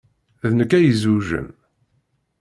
D nekk ay izewjen.